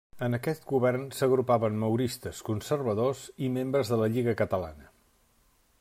En aquest govern s'agrupaven mauristes, conservadors i membres de la Lliga Catalana.